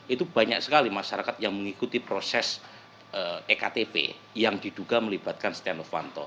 itu banyak sekali masyarakat yang mengikuti proses ektp yang diduga melibatkan setia novanto